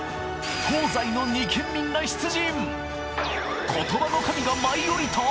東西の２県民が出陣！